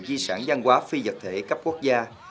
di sản văn hóa phi vật thể cấp quốc gia